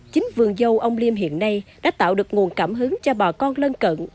chính vườn dâu ông liêm hiện nay đã tạo được nguồn cảm hứng cho bà con lân cận